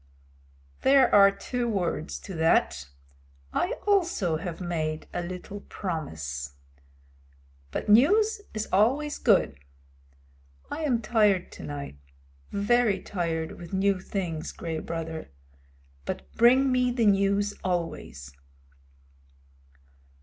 "There are two words to that. I also have made a little promise. But news is always good. I am tired to night, very tired with new things, Gray Brother, but bring me the news always."